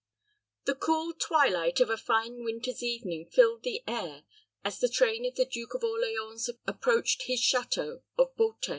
The cool twilight of a fine winter's evening filled the air as the train of the Duke of Orleans approached his château of Beauté.